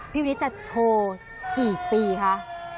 พี่วิทย์จะโชว์กี่ปีคะ